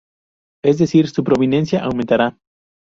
Es decir, su prominencia aumentará.